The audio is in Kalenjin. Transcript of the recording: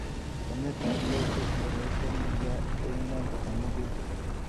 Chametabkei ko koroito neya eng ngwony komugul